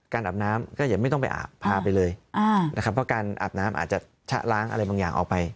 อาบน้ำก็อย่าไม่ต้องไปอาบพาไปเลยนะครับเพราะการอาบน้ำอาจจะชะล้างอะไรบางอย่างออกไป